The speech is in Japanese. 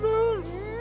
うん。